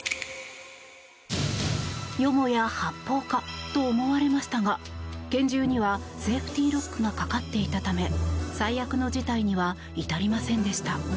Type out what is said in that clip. よもや発砲かと思われましたが拳銃にはセーフティーロックがかかっていたため最悪の事態には至りませんでした。